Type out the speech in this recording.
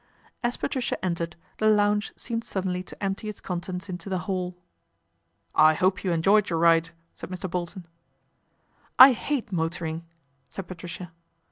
As Patricia entered, the lounge seemed suddenly to empty its contents into the hall. " I hope you enjoyed your ride," said Mr. Bolton. " I hate motoring," said Patricia.